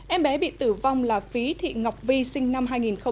em bé bị tử vong là phí thị ngọc vi sinh năm hai nghìn một mươi bảy